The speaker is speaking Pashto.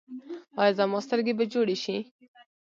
ایا زما سترګې به جوړې شي؟